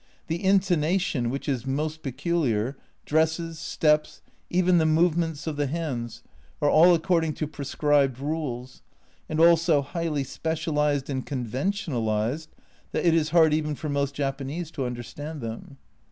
The intonation (which is most peculiar), dresses, steps, even the movements of the hands, are all according to prescribed rules, and all so highly specialised and conventionalised that it is hard even for most Japanese to understand them.